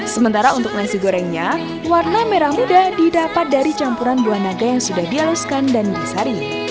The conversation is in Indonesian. sementara untuk nasi gorengnya warna merah muda didapat dari campuran buah naga yang sudah dihaluskan dan disari